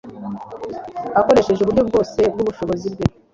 Akoresheje uburyo bwose bw’ubushobozi bwe,